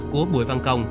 của bùi văn công